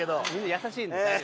優しいんで。